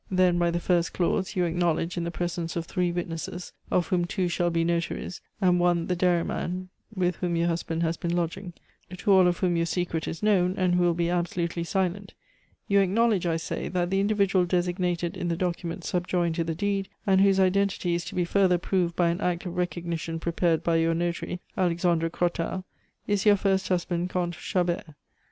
Then, by the first clause, you acknowledge, in the presence of three witnesses, of whom two shall be notaries, and one the dairyman with whom your husband has been lodging, to all of whom your secret is known, and who will be absolutely silent you acknowledge, I say, that the individual designated in the documents subjoined to the deed, and whose identity is to be further proved by an act of recognition prepared by your notary, Alexandre Crottat, is your first husband, Comte Chabert.